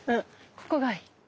ここがいい。